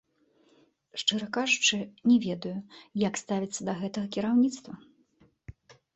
Шчыра кажучы, не ведаю, як ставіцца да гэтага кіраўніцтва.